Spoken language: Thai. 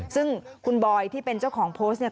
ซึ่งคุณบอยที่เป็นเจ้าของโพสต์เนี่ย